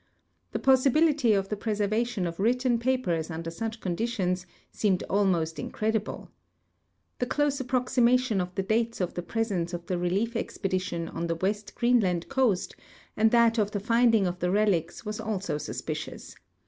The possibility of the preservation of written papers under such conditions seemed almost incredible. The close approximation of the dates of the presence of the relief exjiedition on the west Greenland coast and that of the finding of the relics was also suspicious.